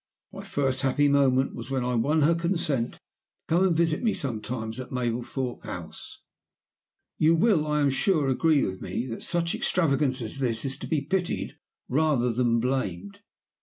My first happy moment was when I won her consent to come and visit me sometimes at Mablethorpe House.' "You will, I am sure, agree with me that such extravagance as this is to be pitied rather than blamed.